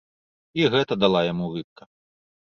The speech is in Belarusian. І гэта дала яму рыбка.